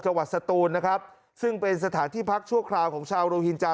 สตูนนะครับซึ่งเป็นสถานที่พักชั่วคราวของชาวโรฮินจา